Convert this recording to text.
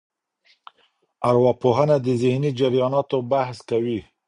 ارواپوهنه د ذهني جرياناتو بحث کوي.